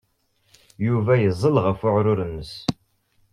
Yuba yeẓẓel ɣef uɛrur-nnes.